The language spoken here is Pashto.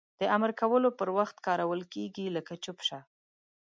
د امر کولو پر وخت کارول کیږي لکه چوپ شه!